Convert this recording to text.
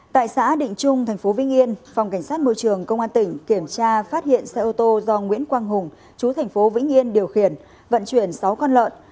tại xã định trung tp hcm phòng cảnh sát môi trường công an tỉnh kiểm tra phát hiện xe ô tô do nguyễn quang hùng chú tp hcm điều khiển vận chuyển sáu con lợn